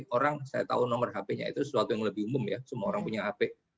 orang saya tahu nomor hp nya itu sesuatu yang lebih umum ya semua orang punya hp